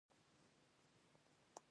هلک د خپل وطن ویاړ دی.